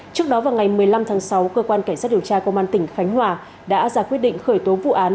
trước đó vào ngày một mươi năm tháng sáu cơ quan cảnh sát điều tra công an tỉnh khánh hòa đã ra quyết định khởi tố vụ án